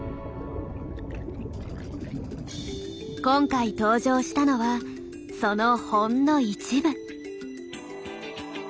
今回登場したのはそのほんの一部。